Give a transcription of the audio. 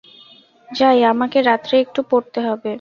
যাই, আমাকে রাত্রে একটু পড়তে হবে।